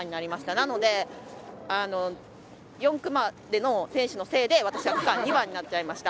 なので、４区までの選手のせいで、私は区間２番になっちゃいました。